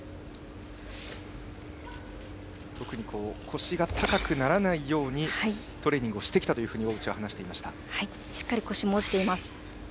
腰が高くならないようにトレーニングをしてきたとしっかり腰も落ちています。